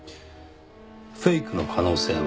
フェイクの可能性は？